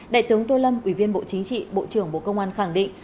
đại tướng tô lâm ủy viên bộ chính trị bộ trưởng bộ công an khẳng định